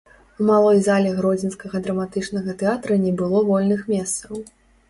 У малой зале гродзенскага драматычнага тэатра не было вольных месцаў.